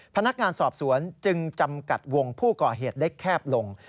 พนักงานสอบสวนจึงจำกัดวงผู้ก่อเหตุได้แคบลง